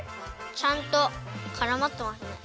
ちゃんとからまってますね。